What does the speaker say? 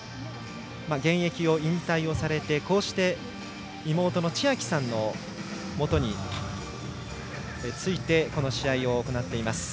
現役を引退されて、こうして妹の千愛さんのもとについてこの試合を行っています。